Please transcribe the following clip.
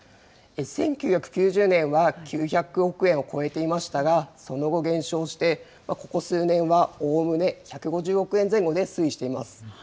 １９９０年は９００億円を超えていましたが、その後、減少して、ここ数年はおおむね１５０億円前後で推移しています。